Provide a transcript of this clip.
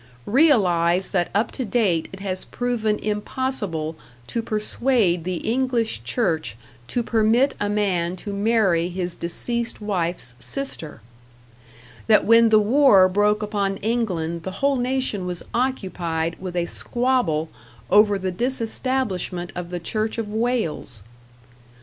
Realize that up to date it has proven impossible to persuade the English Church to permit a man to marry his deceased wife's sister! That when the war broke upon England the whole nation was occupied with a squabble over the disestablishment of the church of Wales!